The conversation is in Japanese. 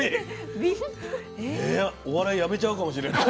お笑いやめちゃうかもしれない。